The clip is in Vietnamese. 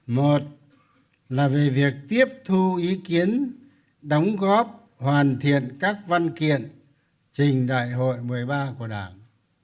một là về việc tiếp thu ý kiến đóng góp hoàn thiện các văn kiện trình đại hội một mươi ba của đảng